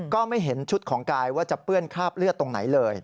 ก็ไม่เห็นชุดของกายว่าจะเปื้อนคราบเลือดตรงไหนเลย